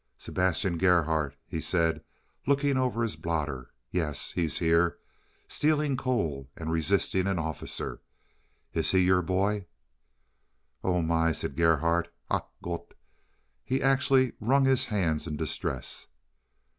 "Sebastian Gerhardt?" he said, looking over his blotter; "yes, here he is. Stealing coal and resisting an officer. Is he your boy?" "Oh, my!" said Gerhardt, "Ach Gott!" He actually wrung his hands in distress.